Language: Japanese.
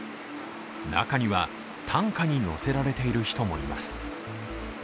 中には担架に乗せられている人もいます。